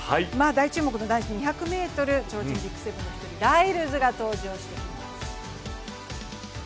大注目の男子２００ｍ超人ＢＩＧ７の１人ライルズが登場してきます。